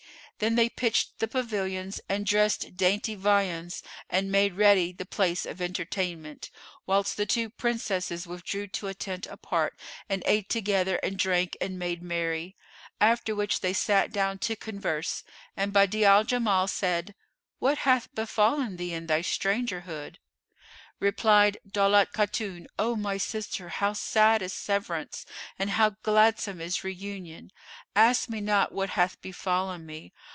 Then they pitched the pavilions[FN#447] and dressed dainty viands and made ready the place of entertainment; whilst the two Princesses withdrew to a tent apart and ate together and drank and made merry; after which they sat down to converse, and Badi'a al Jamal said, "What hath befallen thee in thy strangerhood?" Replied Daulat Khatun, "O my sister how sad is severance and how gladsome is reunion; ask me not what hath befallen me!